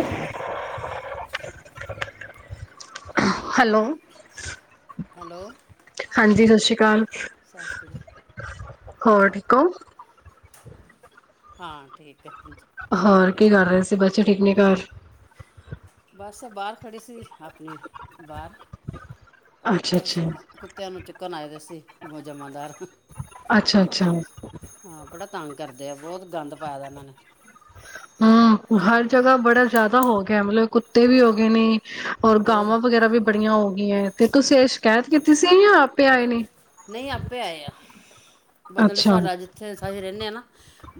Hello hello hello ਹਾਂਜੀ ਸਤਿ ਸ੍ਰੀ ਅਕਾਲ ਸਤਿ ਸ਼੍ਰੀ ਅਕਾਲ ਹੋਰ ਠੀਕ ਹੋ ਹਾਂ ਠੀਕ ਹੈ ਹਾਂਜੀ ਹੋਰ ਕੀ ਕਰ ਰਹੇ ਸੀ ਬੱਚੇ ਠੀਕ ਨੇ ਘਰ ਬਸ ਬਾਹਰ ਖੜ੍ਹੀ ਸੀ ਆਪਣੀ ਬਾਹਰ ਅੱਛਾ ਬਸ ਅੱਛਾ ਕੁੱਤਿਆਂ ਨੂੰ ਚੁੱਕਣ ਆਏ ਦ ਸੀ ਜਮਾਂਦਾਰ ਅੱਛਾ ਅੱਛਾ ਹਾਂ ਬੜਾ ਤੰਗ ਕਰਦੇ ਆ ਬਹੁਤ ਗੰਦ ਪਾਇ ਦਾ ਉਹਨਾਂ ਨੇ ਹਮ ਹਰ ਜਗ੍ਹਾ ਬੜਾ ਜਿਆਦਾ ਹੋ ਗਿਆ ਮਤਲਬ ਕੁੱਤੇ ਵੀ ਹੋ ਗਏ ਨੇ ਔਰ ਹੋਰ ਗਾਵਾਂ ਵਗੈਰਾ ਵੀ ਬੜੀਆਂ ਹੋ ਤੇ ਤੁਸੀਂ ਇਹ ਸ਼ਿਕਾਇਤ ਕੀਤੀ ਸੀ ਜਾਂ ਆਪੇ ਆਏ ਨੇ ਨਹੀਂ ਆਪੇ ਆ ਆ ਮਤਲਬ ਅੱਛਾ ਸਾਡਾ ਜਿੱਥੇ ਅਸੀਂ ਰਹਿੰਦੇ ਹ ਨਾ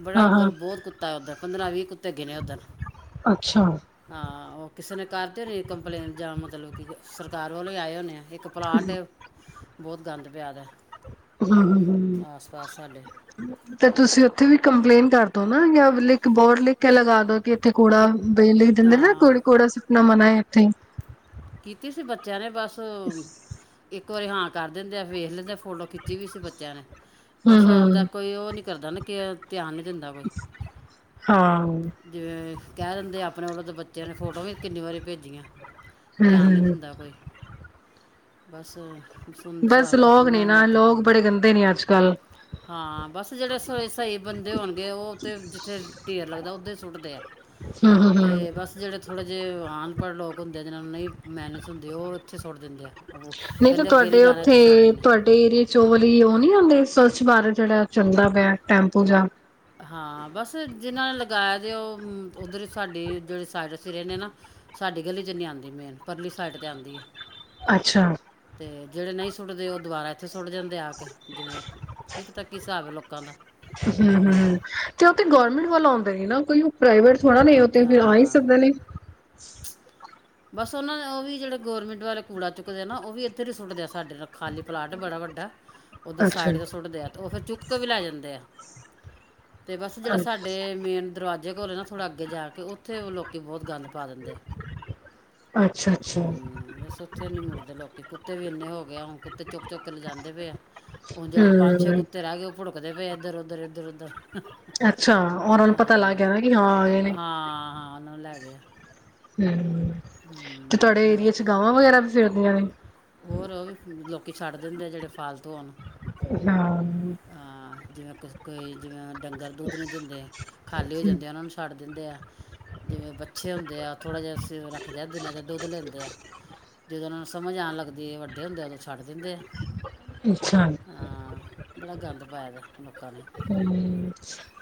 ਬੜਾ ਹਾਂ ਹਾਂ ਉੁੰਦਰ ਬਹੁਤ ਕੁੱ ਉਦ ਪੰਦਰਾਂ ਵੀਹ ਕੁ ਧਗੇ ਨੇ ਓਦਣ ਅੱਛਾ ਹਮ ਹਾਂ ਉਹ ਕਿਸੇ ਨੇ ਕਰਦੇ ਨੇ ਕੰਪਲੇਨ ਜਾਂ ਮਤਲਬ ਕਿ ਸਰਕਾਰ ਵੱਲੋਂ ਆਏ ਹੁੰਦੇ ਆ ਇੱਕ ਪਲਾਟ ਬਹੁਤ ਗੰਦ ਪਿਆਦਾ ਹ ਹ ਸਾਡੇ ਤੇ ਤੁਸੀਂ ਉੱਥੇ ਵੀ ਕੰਪਲੇਂਟ ਕਰ ਨਾ ਯਖ ਬੋਰ ਲਿਖ ਕੇ ਲਗਾ ਦੋ ਇੱਥੇ ਘੋੜਾ ਕੀ ਵਿੇ ਲਈ ਦਿੰਦੇ ਨਾ ਹਾਂ ਘੜੀ ਘੋੜਾ ਸੁਪਨਾ ਮਨਾ ਹੈ ੱ ਥੇ ਕੀਤੀ ਸੀ ਬੱਚਿਆਂ ਨੇ ਬਸ ਬਸ ਇੱਕ ਇੱਕ ਵਾਰੀ ਹਾਂ ਕਰ ਦਿੰਦੇ ਆ ਵੇਖ ਲੈਂਦੇ ਫੋਟੋ ਖਿੱਚੀ ਵੀ ਸੀ ਬੱਚਿਆਂ ਨੇ ਬਸ ਆਉਂਦਾ ਹਮ ਕੋਈ ਉਹ ਨਹੀਂ ਕਰਦਾ ਨਾ ਕਿ ਧਿਆਨ ਦਿੰਦਾ ਕੋਈ ਹਾਂ ਜਿਵੇਂ ਕਹਿ ਦਿੰਦੇ ਆ ਆਪਣੇ ਵੱਲੋਂ ਤਾਂ ਬੱਚਿਆਂ ਨੇ ਫੋਟੋ ਵੀ ਕਿੰਨੀ ਵਾਰੀ ਭੇਜੀਆਂ ਧਿਆਨ ਨਹੀਂ ਹੂੰ-ਹੂੰ ਦਿੰਦਾ ਕੋਈ ਬਸ ਬਸ ਲੋਕ ਨੇ ਆਪਣੀ ਨਾ ਮਰਜ਼ੀ ਲੋਕ ਕਰਨੀ ਬੜੇ ਗੰਦੇ ਨੇ ਅੱਜ ਕੱਲ ਹਾਂ ਬਸ ਜਿਹੜੇ ਸਹੀ ਬੰਦੇ ਹੋਣਗੇ ਉਹ ਤੇ ਜਿੱਥੇ ਢੇਰ ਲੱਗਦਾ ਦੇ ਸੁੱਟਦੇ ਆ ਤੇ ਹੂੰ-ਹੂੰ-ਹੂੰ ਬਸ ਜਿਹੜੇ ਥੋੜੇ ਜਿਹੇ ਆਣ ਪਰ ਲੋਕ ਹੁੰਦੇ ਨੇ ਜਿੰਨਾ ਮੰਨੇਰਸ ਹੁੰਦੇ ਉਹ ਇੱਥੇ ਸੁੱਟ ਦਿੰਦੇ ਆੋ ਤੇ ਕਹਿੰਦੇ ਅੱਗੇ ਨਹੀਂ ਤੁਹਾਡੇ ਜਾਣਾ ਇੱਥੇ ਸੁੱਟ ਉੱਥੇ ਦਿੰਦੇ ਬਾਰੇ ਜਿਹੜਾ ਚਲਦਾ ਪਿਆ ਟੈਂਪੂ ਜਾਂ ਹਾਂ ਬਸ ਜਿਹਨਾਂ ਨੇ ਲਗਾਇਆ ਜ ਉਹ ਉੱਧਰ ਸਾਡੇ ਜਿਹੜੇ ਸਾਈਡ ਜੇਰੇ ਨੇ ਨਾ ਸਾਡੀ ਗਲੀ ਚ ਨੀ ਆਂਦੀ ਮੇਨ ਪਰਲੀ ਸਾਈਡ ਤੇ ਆਂਦੀ ਹੈ। ਅੱਛਾ ਤੇ ਜਿਹੜੇ ਨਹੀਂ ਸੁੱਟਦੇ ਉਹ ਦੁਬਾਰਾ ਇਥੇ ਸੁੱਟ ਜਾਂਦੇ ਆ ਕੇ ਜਿਵੇਂ ਕੀ ਪਤਾ ਕੀ ਹਿਸਾਬ ਹੈ ਲੋਕਾਂ ਦਾ ਹੂੰ-ਹੂੰ ਤੇ ਉਹ ਤੇ ਗੌਰਮੈਂਟ ਵੱਲ ਆਉਂਦੇ ਨੇ ਨਾ ਕੋਈ ਉਹ ਪ੍ਰਾਈਵੇਟ ਥੋੜਾ ਨੇ ਉਥ ਫਿਰ ਆ ਹੀ ਹਾਂ ਸਕਦੇ ਨੇ। ਬਸ ਉਹਨਾਂ ਉਹ ਵੀ ਜਿਹੜੇ ਗੌਰਮੈਂਟ ਵਾਲੇ ਕੂੜਾ ਚੁੱਕਦੇ ਆ ਨਾ ਉਹ ਵੀ ਇੱਧਰ ਹੀ ਸੁੱਟਦੇ ਆ ਸਾਡੇ ਖਾਲੀ ਪਲਾਟ ਬੜਾ ਵੱਡਾ ਉੱਧਰ ਅੱਛਾ ਸਾਈਡ ਦਾ ਸੁੱਟਦੇ ਆ ਤੇ ਉਹ ਫੇਰ ਚੁੱਕ ਕੇ ਵੀ ਲੈ ਜਾਂਦੇ ਆ। ਤੇ ਬਸ ਜਿਹੜਾ ਸਾਡੇ ਮੇਨ ਦਰਵਾ ਜੇਰ ਨਾਥੋੜਾ ਅੱਗੇ ਜਾ ਕੇ ਉੱਥੇ ਉਹ ਲੋਕ ਕਿ ਬਹੁਤ ਗੰਦ ਪਾ ਦਿੰਦੇ ਆ। ਅੱਛਾ-ਅੱਛਾ ਹੂੰ ਹਮ ਬਸ ਉੱਥੇ ਨੀ ਮੁੜਦੇ ਲੋਕੀ ਕੁੱਤੇ ਵੀ ਇੰਨੇ ਹੋ ਗਏ ਹੁਣ ਬਸ ਉਥੇ ਨੀ ਮੁੜ ਦੇ ਲੋਕੀ, ਕੁੱਤੇ ਬੀ ਇੰਨੇ ਹੋ ਗਏ ਆਂ ਹੁਣ, ਕੁੱਤੇ ਚੁੱਕ ਚੁੱਕ ਕੇ ਲਿਜਾਦੇ ਪਏ ਆ ਹੁਣ ਜਿਹੜੇ ਪੰਜ ਛ ਕੁੱਤੇ ਰਹਿ ਗਏ ਉਹ ਭੁੜਕਦੇ ਪਏ ਆ ਇੱਧਰ ਉੱਧਰ ਇੱਧਰ ਉਧਰ। ਅੱਛਾ ਊਨਾ ਨੂੰ ਪਤਾ ਲੱਗ ਗਿਆ ਨਾ ਕਿ ਹਾਂ ਆਂ ਗਏ ਹਾਂ ਨੇ ਹਾਂ, ਉਹਨਾਂ ਨੂੰ ਲੈ ਗਿਆ ਹਮ। ਤੇ ਹਮ, ਤੁਹਾਡੇ ਏਰੀਏ ਹੋਰ ਚ ਗਾਵਾਂ ਵਗੈਰਾ ਵੀ ਫਿਰਦੀਆਂ ਨੇ। ਦਿੰ ਜਿਹੜੇ ਫਾਲਤ ਦੋਨ ਹਾਂ ਜਿਵੇਂ ਕਿ ਕੋਈ ਜਿਵੇਂ ਡੰਗਰ ਦੁੱਧ ਨਹੀਂ ਦਿੰਦੇ, ਖਾਲੀ ਹੋ ਜਾਂਦੇ ਉਹਨਾਂ ਨੂੰ ਛੱਡ ਦਿੰਦੇ ਆ ਜਿਵੇਂ ਬਛੇ ਹੁੰਦੇ ਆ ਥੋੜ੍ਹਾ ਜਿਹਾ ਸ ਰੱਖਦੇ ਆ ਦਿਨਾਂ ਚ ਦੁੱਧ ਲੈਂਦੇ ਆ ਜਦੋਂ ਉਹ ਨੂੰ ਸਮਝ ਆਣ ਗੇ ਵੱਡੇੁੰਦੇ ੱੜ ਦਿੰਦੇ ਆ ਅੱਛਾ ਹਾਂ ਬੜਾ ਗੰਦ ਪਾਇ ਦਾ ਲੋਕਾਂ ਨੇ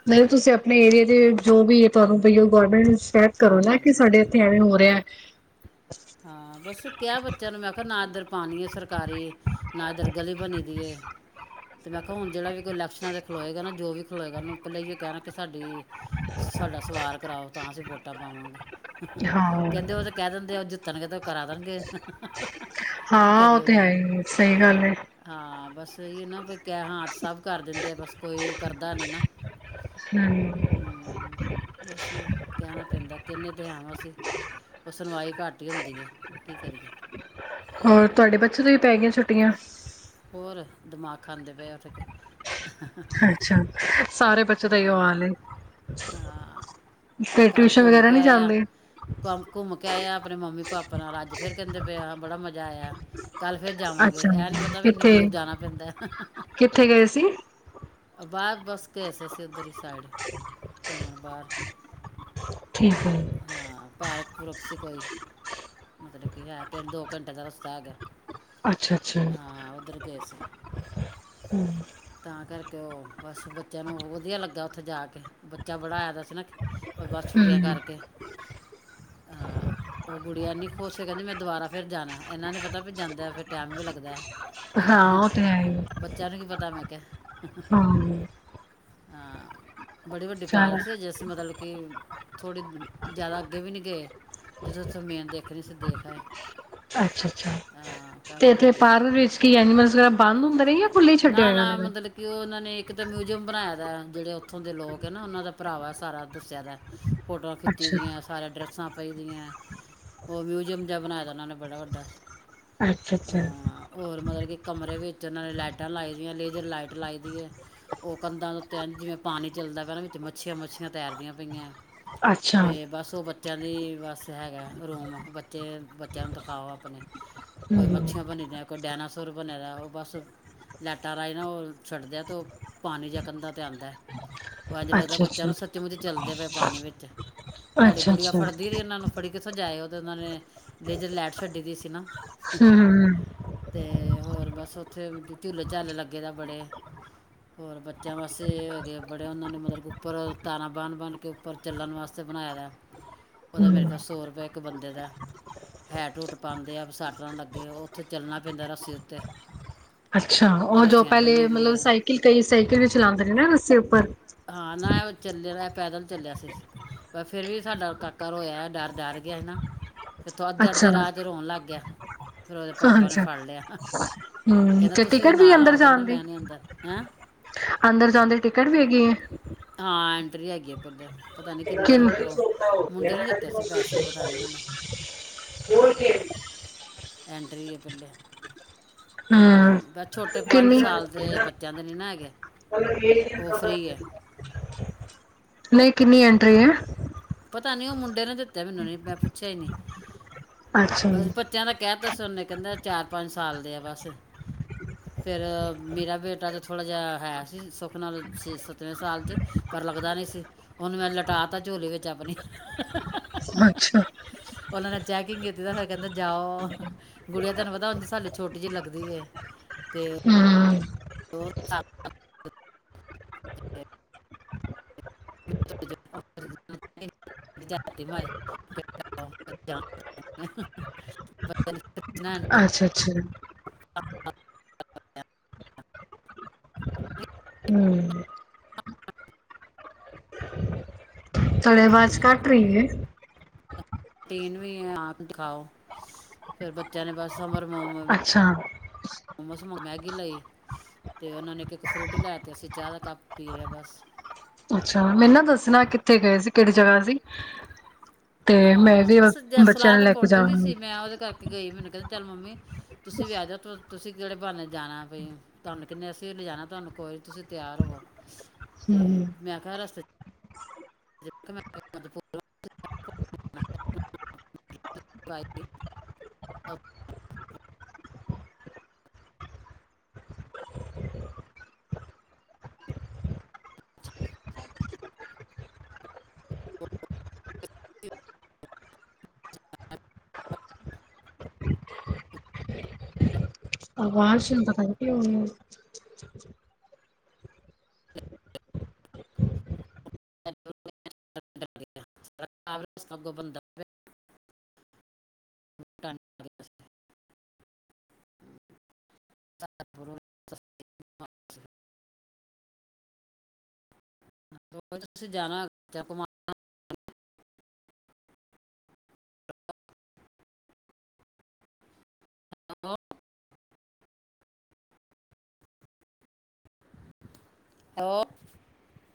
ਨਹੀਂ ਤੁਸੀਂ ਆਪਣੇ ਏਰੀਏ ਤੇ ਜੋ ਵੀ ਹੈ ਤੁਹਾਨੂੰ ਪਈ ਉਹ ਗੌਰਰਮੈਂਟ ਕਰੋ ਨਾ ਕਿ ਸਾਡੇ ਇੱਥੇ ਐਵੇਂ ਹੋ ਰਿਹਾ ਹੈ ਹਾਂ ਬਸ ਕ ਬੱਚਿਆਂ ਨੂੰ ਮੈਂ ਕਿਹਾ ਨਾਦਰਰ ਪਾਣੀ ਹੈ ਸਰਕਾਰੀ ਨਾ ਇੱਧਰ ਗਲੀ ਬਣੀ ਦੀ ਹੈ ਤੇ ਮੈਂ ਕਿਹਾ ਹੁ ਜਿਹੜਾ ਵੀ ਕੋ ਇਲੈਕਸ਼ ਦੇ ਖਲਏਗਾ ਨਾ ਜੋ ਵੀ ਖਲੋਏਗਾ ਉਹਨ ਪਹਿਲ ਕਹਿਣਾ ਕਿ ਸਾਡੇ ਸਾਡਾ ਸਵਾਰ ਕਰਾਓ ਤਾਂ ਅਸੀਂ ਵੋਟਾਂ ਪਾਵਾਂਗੇ ਹਾਂ, ਕਹਿੰਦੇ ਉਹ ਤੇ ਕਹਿ ਦਿੰਦੇ ਆ ਤਨ ਤਾਂ ਕਰਾ ਦੇਣਗੇ ਕੀ ਹਾਂ ਉਹ ਕਰੀਏ ਤੇ ਫੇਰ ਹੈ ਹੀ ਸਹੀ ਗੱਲ ਹੈ। ਹਾਂ ਬਸ ਇਹ ਨਾ ਕ ਹਾਂਦ ਸਭ ਕਰ ਦਿੰਦੇ ਆ ਬਸ ਕੋਈ ਕਰਦਾ ਨੀ ਨਾ ਹਮ, ਹਮ ਬਸ ਕਹਿਣਾ ਪੈਂਦਾ ਕਿੰਨੇ ਦਿ ਹਵਸੀ ਉਹ ਸੁਣਵਾਈ ਘੱਟ ਹੀ ਹੁੰਦੀ ਹੈ ਕੀ ਕਰੀਏ ਹੋਰ ਤੁਹਾਡੇ ਬੱਚੇ ਤੋਂ ਵੀ ਪੈ ਗਏ ਛੁਟ ਛੁੱਟੀਆਂ ਹੋਰ ਦਿਮਾਗ ਖਾਂਦੇ ਪਏ ਉੱਠ ਕੇ ਅੱਛਾ ਸਾਰੇ ਬੱਚੇ ਦਾਈ ਆਾਲ ਹਾਂ ਫ ਕੱਲ ਟਿਊਸ਼ਨ ਘੁੰਮ ਵਗੈਰਾ ਕੇ ਨਹੀਂੀ ਆਇਆ ਜਾਂਦੇ ਕੰਮ ਘੁੰਮ ਕੇ ਆਇਆ ਆਪਣੇ ਮੰਮੀ ਪਾਪਾ ਨਾਲ ਅੱਜ ਫਰ ਕਹਿੰਦੇ ਪਿਆਾਂ ਬੜਾ ਮਜ਼ਾ ਆਇਆ ਕੱਲ ਫੇਰ ਜਾਵਾਂਗੇ ਅੱਛਾ, ਇਹ ਨੀ ਪਤਾ ਵੀ ਇੰਨੀ ਕਿੱਥੇ ਦੂਰ ਜਾਣਾ ਪੈਂਦਾ ਕਿੱਥੇ ਗਏ ਸੀ ਬਾਅਦ ਬਸ ਕੇਸ ਸੀ ਉੱਧਰ ਹੀ ਸਾਈਡ ਘੁੰਮਣ ਬਾਹਰ ਠੀਕ ਹੈ, ਹਾਂ ਪਾਰਕ ਪੁਰਕ ਸੀ ਕੋਈ ਮਤਲਬ ਕਿ ਹੈ ਦੋ ਘੰਟੇ ਦਾ ਰਸਤਾ ਹੈਗਾ ਅੱਛਾ ਅੱਛਾ। ਹਾਂ ਉੱਧਰ ਗਏ ਸੀ ਹਮ, ਤਾਂ ਕਰਕੇ ਤੇ ਉਹ ਬਸ ਬੱਚਿਆਂ ਨੂੰ ਵਧੀਆ ਲੱਗਾ ਉੱਥੇ ਜਾ ਕੇ ਬੱਚਾ ਬੜਾ ਆਇ ਦਾ ਸੀ ਨਾ ਬਸ ਛੁੱਟੀਆਂ ਹਮ ਕਰਕੇ ਹਹ ਉਹ ਗੁੜੀੀਆਂ ਇਨੀ ਖੁਸ਼ ਸੀ ਕਹਿੰਦੀ ਮੈਂ ਦੁਬਾਰਾ ਫਿਰ ਜਾਣਾ ਇਹਨਾਂ ਨੇ ਪਤਾ ਵੀ ਜਾਂਦਾ ਫਿਰ ਟੈਮ ਵੀ ਲੱਗਦਾ ਹਾਂ ਹੈ ਉਹ ਤੇ ਹੈ ਬੱਚਿਆਂ ਨੂੰ ਕੀ ਪਤਾ ਮੈਂ ਕਿਹਾ ਹਾਂ ਹਾਂ ਬੜੀ ਵੱਡੀ ਚੱਲ ਪਾਰਕ ਸੀ ਅ ਜੇ ਅਸੀਂ ਮਤਲਬ ਕਿ ਥੋੜ੍ਹੀ ਜ਼ਿਆਦਾ ਅੱਗੇ ਵੀ ਨਹੀਂ ਗਏ ਜਿੱਥੋਂ ਉਥੇ ਮੇਨ ਦੇਖਣੀ ਸੀਸੀਂ ਦੇਖ ਆਏ ਅੱਛਾ ਅੱਛਾ। ਹਾਂ ਤੇ ਕਾਫੀ ਇੱਥੇ ਵੱਡੀ ਸੀ। ਪਾਰਕ ਵਿੱਚ ਕੀ ਐਨੀਮਲ ਵਗੈਰਾ ਬੰਦ ਹੁੰਦੇ ਨੇ ਜਾਂ ਖੁੱਲੇ ਹੀ ਛੱਡੇ ਹੋਏ ਨੇ। ਮਿਊਜ਼ਅਮ ਬਣਾਏ ਦਾ ਜਹੜੇ ਉੇ ਉੱਥੋਂ ਦੇ ਲੋਕ ਆ ਨਾ ਉਹਨਾਂ ਦਾ ਭਰਾਵ ਸਾਰਾ ਦੱਸਿਆ ਦਾ ਫੋਟੋਆਂ ਖਿੱਚੀ ਅੱਛਾ, ਦੀਆਂ ਸਾਰੇ ਡਰੈੱਸ [unintelligible] ਦੀਆਂ ਉਹ ਮਿਊਜ਼ਅਮ ਜਾ ਬਣਾਇਆ ਦਾ ਉਹਨਾਂ ਨੇ। ਬੜਾ ਵੱਡਾ ਅੱਛਾ-ਅੱਛਾ, ਹਾਂ ਮਤਲਬ ਕਿ ਕਮਰੇ ਵਿੱਚ ਉਹਨਾਂ ਨੇ ਲਾਈਟਾਂ ਲਾਈ ਦੀਆਂ ਲੇਜ਼ਰ ਲਾਈਟ ਲਾਈ ਦੀ ਹੈ। ਕੰਧਾਂ ਉੱਤੇ ਇੰਜ ਜਿਵੇਂ ਪਾਣੀ ਚੱਲਦਾ ਪੈਨਾਂ ਵਿੱਚ ਮੱਛੀਆਂ ਮੱਛੀਆਂ ਤੈਰਦੀਆਂ ਪਈਆਂ ਅੱਛਾ। ਅੱਛਾ ਤੇ ਬਸ ਉਹ ਬੱਚਾ ਬੱਚਿਆਂ ਦੇ ਬਸ ਹੈਗਾ ਰੂਮ ਬੱਚੇ ਬੱਚਿਆਂ ਨੂੰ ਦਿਖਾਓ ਆਪਣੇ ਕੋਈ ਹੂੰ, ਮੱਛੀਆਂ ਬਣੀ ਦੀਆਂ ਡਾਇਨਾਸੋਰ ਬਣੇ ਦਾ ਉਹ ਬਸ ਲਾਈਟਾਂ ਰਾਹੀਂ ਨਾ ਉਹ ਛੱਡਦਾ ਅਤੇ ਉਹ ਪਾਣੀ ਪਾਣੀ ਜਿਹਾ ਕੰਧਾਂ ਤੇ ਆਉਂਦਾ। ਉਹ ਇੰਝ ਲਗਦਾ ਬੱਚਿਆਂ ਅੱਛਾ-ਅੱਛਾ, ਨੂੰ ਸੱਚਮੁੱਚ ਚੱਲਦੇ ਪਏ ਪਾਣੀ ਵਿੱਚ ਸਾਡੀ ਗੁੜੀਆ ਅੱਛਾ-ਅੱਛਾ, ਫੜਦੀ ਰਹੀ ਇਹਨਾਂ ਨੂੰ ਫੜੀ ਕਿਥਜਾਏ। [unintelligible] ਲੇਜਰ ਲੈਟ ਛੱਡੀ ਦੀ ਸੀ ਨਾ ਹੂੰ, ਹੂੰ। ਤੇ ਹੋਰ ਬਸ ਉੱਥੇ ਝੂਲੇ ਚਾਲੇ ਲੱਗੇ ਦਾ ਬੜੇ ਹੋਰ ਬੱਚਿਆਂ ਵਾਸਤੇ ਹੈਗੇ ਬੜੇ ਉਹਨਾਂ ਨੇ ਮਤਲਬ ਉਪਰ ਤਾਰਾਂ ਬਨ ਬਨ ਕੇ ਉਪਰ ਚੱਲਣ ਵਾਸਤੇ ਬਣਾਇ ਦਾ ਉਹਦਾ ਮੇਰੇ ਹੂੰ ਖਿਆਲ ਸੌ ਰੁਪਆ ਇੱਕ ਬੰਦੇ ਦਾ ਹੈਟ ਹੂਟ ਪਾਉਂਦੇ ਆ ਸਾਟਾਂ ਲੱਗੇ ਉੱਥੇ ਚੱਲਣਾ ਪੈਂਦਾ ਰਸਤੇ ਉੱਤੇ ਅੱਛਾ ਉਹ ਜੋ ਰੱਸੀਆਂ ਪਹਿਲੇ ਬੰਨ੍ਹੀ ਮਤਲਬ ਦੀਆਂ ਸਾਈਕਲ ਕਈ ਸਾਈਕਲ ਵੀ ਚਲਾਉਂਦੇ ਨੇ ਨਾ ਰੱਸੇ ਉੱਪਰ ਹਾਂ ਨਾ ਉਹ ਚੱਲਿਆ ਪੈਦਲ ਚੱਲਿਆ ਸੀ ਪਰ ਫਿਰ ਵੀ ਸਾਡਾ ਕਾਕਾ ਰੋਇਆ ਡਰ ਡਰ ਗਿਆ ਸੀ ਨਾ। ਅੱਛਾ, ਅੱਧੇ-ਅੱਧੇ ਰਾਹ ਚ ਰੋਣ ਲੱਗ ਗਿਆ ਫੇਰ ਉਹਦੇ ਪਾਪ ਅੱਛਾ, ਹਮ ਤੇ ਤੁਸੀਂ ਟਿਕਟ ਵੀ ਨਾਲ ਅੰਦਰ ਆਓ ਕਹਿੰਦਾ ਜਾਣ ਦੀ। ਮੈਂ ਨਹੀਂ ਅੰਦਰ ਹੈਂ ਅੰਦਰ ਜਾਣ ਦੀ ਟਿਕਟ ਵੀ ਹੈਗੀ ਹੈ। ਰੈ ਗੀਏ ਪੈਂਲੇ। ਕਿਨੂੰ। ਨੇ ਦਿੱਤੇ ਸੀ ਪੈਸੇ ਪਤਾ ਨਹੀਂ ਮੈਨੂੰ ਹਾਂ ਐਂਟਰੀ ਏ ਪੈਲੇ ਹਮ, ਬਸ ਛੋਟੇ ਪੰਜ ਕਿੰਨੀ? ਸਾਲ ਦੇ ਬੱਚਿਆਂ ਦੇ ਨੀ ਨਾ ਹੈਗੇ ਔ ਫ੍ਰਰੀ ਏ। ਨਹੀਂ, ਕਿੰਨੀ ਐਂਟਰੀ ਐ? ਪਤਾ ਨੀ ਔ ਮੁੰਡੇ ਨੇ ਦੀ ਤੇ ਮੈਨੂੰ ਨੀ ਮੈਂ ਪੁੱਛਿਆ ਈ ਨੀ। ਅੱਛਾ, ਬਸ ਬੱਚਿਆਂ ਦਾ ਕੈ ਤਾਸੀ ਔਨੇ ਕੈਂਦੈ ਚਾਰ ਪੰਜ ਸਾਲ ਦੇ ਆ ਬਾ ਸ ਫੇਰ ਮੇਰਾ ਬੇਟਾ ਤਾਂ ਥੋੜਾ ਜਾ ਹੈ ਸੀ ਸੁੱਖ ਨਾਲ ਛੇ ਸੱਤਵੇਂ ਸਾਲ ਚ ਪਰ ਲੱਗਦਾ ਨੀ ਸੀ, ਔਨੂੰ ਮੈਂ ਲਟਾ ਤਾ ਝੋਲੀ ਬੱਚਾ ਬਣੀ, ਅੱਛਾ, ਔਨਾਂ ਨੇ ਚੈਕਿੰਗ ਕੀਤੀ ਤਾਂ ਫੇਰ ਕੈੰੰਦੇ, ਜਾਓ। ਗੁੜੀਆਂ ਤੈਨੂੰ ਪਤਾ ਔੰਜ ਸਾਡੀ ਛੋਟੀ ਜੀ ਲੱਗਦ ਦੀ ਏ। ਹੁੰ। [unintelligible] [unintelligible] ਅੱਛਾ-ਅੱਛਾ। [unintelligible] ਹੁੰ। ਤੁਹਾਡੇ ਆਵਾਜ਼ ਕੱਟ ਰਹੀ ਏ। ਰੂਟੀਨ ਵੀ ਐ ਆਪ ਦਿਖਾਓ, ਫੇਰ ਬੱਚਿਆਂ ਨੇ ਬਸ ਸਮਰ ਮੋਮ ਅੱਛਾ ਮੋਮੋਸ ਮੈਂਗ ਗੀ ਲਈ ਤੇ ਔਨਾਂ ਨੇ ਇੱਕ ਇੱਕ ਫਰੂਟੀ ਲੈ ਤੀ ਅਸੀਂ ਚਾ ਦਾ ਕੱਪ ਪੀ ਲਿਆ ਬਸ। ਅੱਛਾ, ਮੈਨੂੰ ਨਾ ਦੱਸਣਾ ਕਿੱਥੇ ਗਏ ਸੀ ਕੇੜੀ ਜਗ੍ਹਾ ਸੀ ਤੇ ਮੈਂ ਹਾਂ, ਵੀ ਬਸ ਜੇ ਬੱਚਿਆਂ ਸਲਾਹ ਨੂੰ ਤੇ ਲੈ ਕੇ ਪੋਂਟੇ ਦੀ ਜਾਵਾਂਗੀ ਸੀ, ਮੈਂ ਔਦੇ ਕਰਕੇ ਗਈ ਮੈਨੂੰ ਕੈੰਦੇ ਚੱਲ ਮੰਮੀ ਤੁਸੀਂ ਵੀ ਆਜੋ, ਤੁਸੀਂ ਕੇੜੇ ਬਾੰਨੇ ਜਾਣੈ ਬਈ ਤੁਵਾਨੂੰ ਕਿੰਨੇ ਅਸੀਂ ਔ ਲੇਜਾਣਾ ਤੁਵਾਨੂੰ ਕੋਈ ਤੁਸੀਂ ਤਿਆਰ ਹੋਵੋ ਤੇ ਹਮ ਮੈਂ ਕਿਹਾ ਰਸਤੇ ਚ [unintelligible] [unintelligible] ਆਵਾਸ਼ ਨੂੰ ਪਤਾ ਨੀ ਕੀ ਹੋ ਗਿਐ। [unintelligible] ਸਗੋਂ ਬੰਦਾ [unintelligible] [unintelligible] [unintelligible] ਤੁਸੀਂ ਜਾਣਾ [unintelligible] ਹੈਲੋ। [unintelligible]